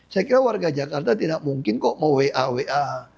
saya kira warga jakarta tidak mungkin kok mau wa wa